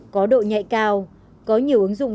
có độ nhạy cao có nhiều ứng dụng